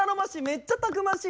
めっちゃたくましいです。